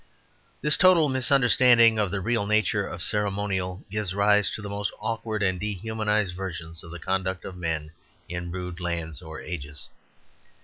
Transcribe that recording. This total misunderstanding of the real nature of ceremonial gives rise to the most awkward and dehumanized versions of the conduct of men in rude lands or ages.